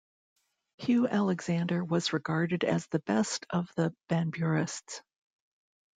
Hugh Alexander was regarded as the best of the Banburists.